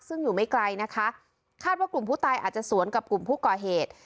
ซึ่งอยู่ไม่ไกลนะคะคาดว่ากลุ่มผู้ตายอาจจะสวนกับกลุ่มผู้ก่อเหตุ